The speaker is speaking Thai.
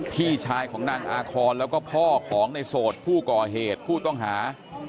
พี่ชายของนางอาคอนแล้วก็พ่อของในโสดผู้ก่อเหตุผู้ต้องหา